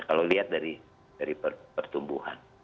kalau lihat dari pertumbuhan